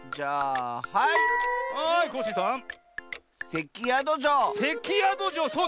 せきやどじょうそうね！